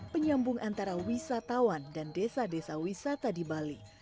penyambung antara wisatawan dan desa desa wisata di bali